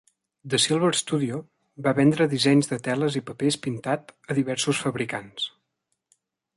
The Silver Studio va vendre dissenys de teles i papers pintats a diversos fabricants.